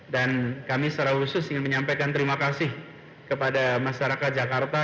dan kami secara khusus ingin menyampaikan terima kasih kepada masyarakat jakarta